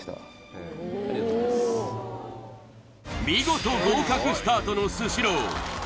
見事合格スタートのスシロー